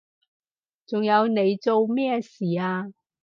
仲有你做咩事啊？